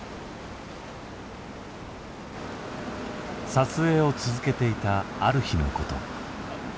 撮影を続けていたある日のこと。